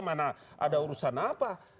mana ada urusan apa